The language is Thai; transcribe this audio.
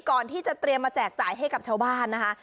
ก่อนที่จะเตรียมมาแจกจ่ายให้กับชาวบ้านนะคะ